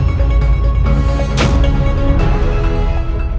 kau mau mencari kian santan